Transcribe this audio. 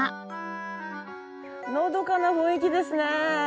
のどかな雰囲気ですねえ。